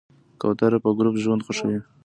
کوتره په ګروپ ژوند خوښوي.